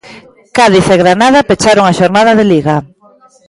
Cádiz e Granada pecharon a xornada de Liga.